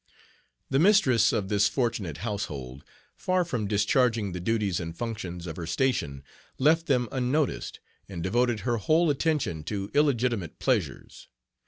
The mistress of this fortunate household, far from discharging the duties and functions of her station, left them unnoticed, and devoted her whole attention to illegitimate pleasures.